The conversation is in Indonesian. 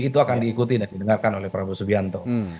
itu akan diikuti dan didengarkan oleh prabowo subianto